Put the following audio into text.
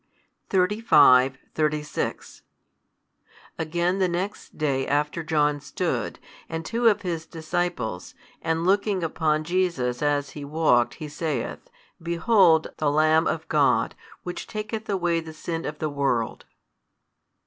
35, 36 Again the next day after John stood, and two of his disciples, and looking upon Jesus as He walked, he saith, Behold the Lamb of God, Which taketh away the sin of the world.